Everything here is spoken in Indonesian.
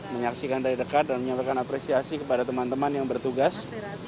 menyaksikan dari dekat dan menyampaikan apresiasi kepada teman teman yang bertugas